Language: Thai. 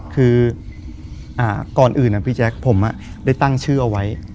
คือก่อนอื่นพี่แจ๊คผมได้ตั้งชื่อเอาไว้